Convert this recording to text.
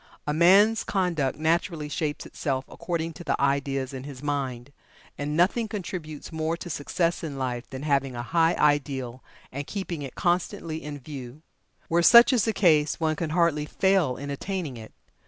A man's conduct naturally shapes itself according to the ideas in his mind, and nothing contributes more to success in life than having a high ideal and keeping it constantly in view. Where such is the case one can hardly fail in attaining it.